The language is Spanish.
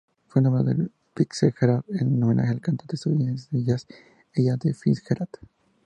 Fue nombrado Fitzgerald en homenaje a la cantante estadounidense de jazz Ella Fitzgerald.